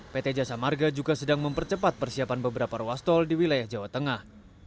pt jasa marga juga sedang mempercepat persiapan beberapa ruas tol di wilayah jawa tengah